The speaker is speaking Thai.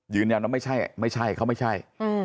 ยืนยันว่าไม่ใช่ไม่ใช่เขาไม่ใช่